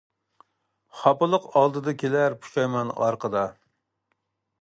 خاپىلىق ئالدىدا كېلەر، پۇشايمان ئارقىدا كېلەر.